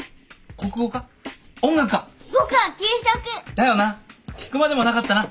だよな聞くまでもなかったな。